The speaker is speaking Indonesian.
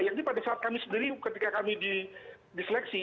yakni pada saat kami sendiri ketika kami diseleksi